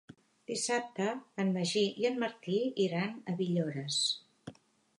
Dissabte en Magí i en Martí iran a Villores.